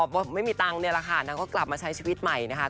ว่าไม่มีตังค์เนี่ยแหละค่ะนางก็กลับมาใช้ชีวิตใหม่นะคะ